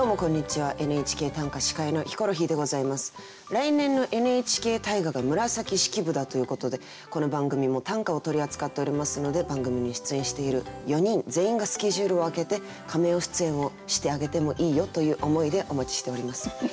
来年のＮＨＫ大河が紫式部だということでこの番組も短歌を取り扱っておりますので番組に出演している４人全員がスケジュールを空けてカメオ出演をしてあげてもいいよという思いでお待ちしております。